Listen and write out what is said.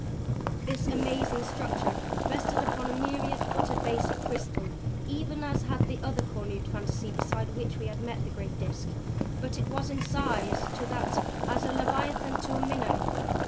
This amazing structure rested upon a myriad footed base of crystal, even as had that other cornute fantasy beside which we had met the great Disk. But it was in size to that as as Leviathan to a minnow.